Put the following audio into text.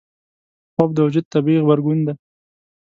خوب د وجود طبیعي غبرګون دی